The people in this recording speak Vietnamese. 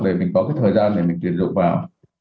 để mình có cái thời gian để mình tuyển dụng vào